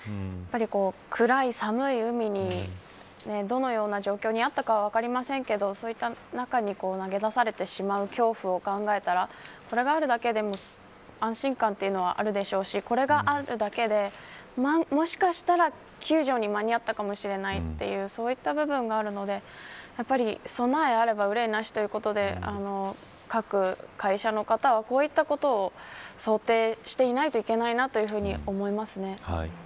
暗い寒い海にどのような状況にあったか分かりませんが、そういった中に投げ出されてしまう恐怖を考えたらこれがあるだけでも安心感というのはあるでしょうしこれがあるだけで、もしかしたら救助に間に合ったかもしれないというそういった部分があるので備えあれば憂いなしということで各会社の方は、こういったことを想定していないといけないなと思います。